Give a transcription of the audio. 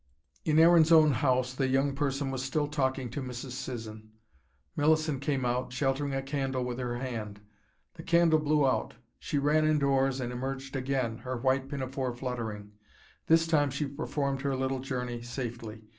In Aaron's own house, the young person was still talking to Mrs. Sisson. Millicent came out, sheltering a candle with her hand. The candle blew out. She ran indoors, and emerged again, her white pinafore fluttering. This time she performed her little journey safely.